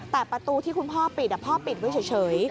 แต่ประตูที่คุณพ่อปิดพ่อปิดไว้เฉย